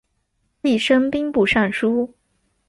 继升兵部尚书。